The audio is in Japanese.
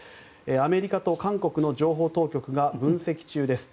アメリカと韓国の情報当局が分析中です。